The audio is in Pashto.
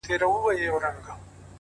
خپل ارزښتونه په عمل وښایئ!